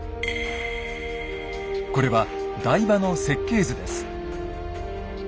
これは台場の設計図です。